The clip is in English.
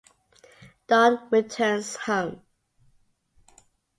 Dawn returns home.